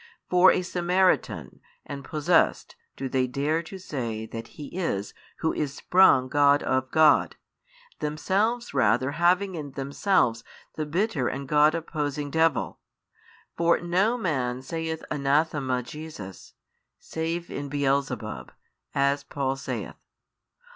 For a Samaritan and possessed do they dare to say that |662 He is Who is sprung God of God, themselves rather having in themselves the bitter and God opposing devil: for no man saith Anathema Jesus, save in Beelzebub, as Paul saith.